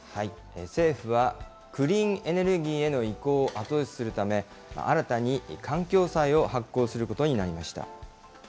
政府は、クリーンエネルギーへの移行を後押しするため、新たに環境債を発行することになりました。